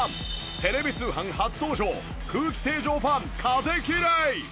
テレビ通販初登場空気清浄ファン風きれい。